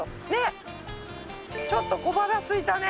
ちょっと小腹すいたね。